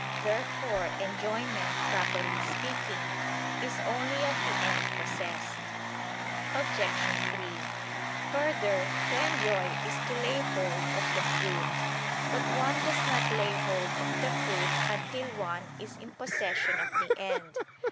Therefore enjoyment, properly speaking, is only of the end possessed. Obj. 3: Further, to enjoy is to lay hold of the fruit. But one does not lay hold of the fruit until one is in possession of the end.